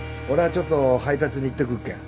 ちょっと配達に行ってくっけん。